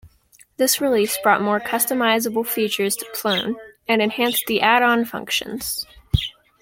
This release brought more customizable features to Plone, and enhanced the add-on functions.